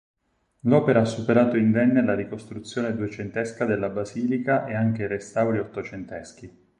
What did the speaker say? L'opera ha superato indenne la ricostruzione duecentesca della basilica e anche i restauri ottocenteschi.